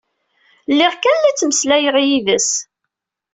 Lliɣ kan la ttmeslayeɣ yid-s.